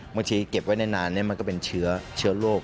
เก็บไว้นานมันก็เป็นเชื้อโรค